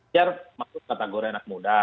biar masuk kategori anak muda